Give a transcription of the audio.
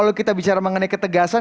kalau kita bicara mengenai ketegasan